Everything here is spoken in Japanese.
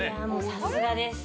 さすがです。